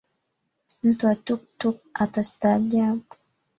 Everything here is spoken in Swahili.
Mtu wa Tuktuk atastaajabu.